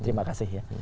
terima kasih ya